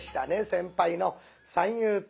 先輩の山遊亭